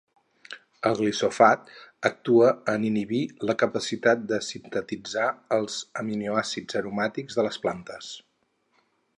El glifosat actua en inhibir la capacitat de sintetitzar els aminoàcids aromàtics de les plantes.